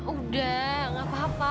udah nggak apa apa